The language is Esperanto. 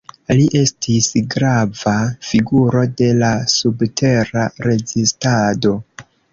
Li estis grava figuro de la subtera rezistado.